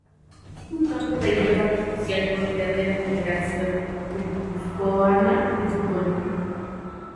Es un campo de hierba artificial propiedad de la Federación Guipuzcoana de Fútbol.